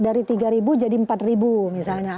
dari tiga jadi empat misalnya